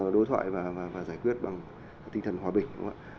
đối thoại và giải quyết bằng tinh thần hòa bình